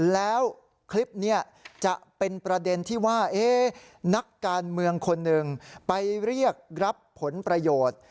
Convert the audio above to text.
แล้วคลิปนี้จะเป็นประเด็นที่ว่านักการเมืองคนหนึ่งไปเรียกรับผลประโยชน์